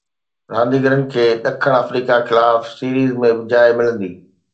رانديگرن کي ڏکڻ آفريڪا خلاف سيريز ۾ به جاءِ ملندي.